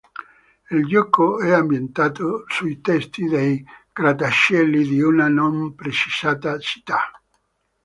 Il gioco è ambientato sui tetti dei grattacieli di una non precisata città.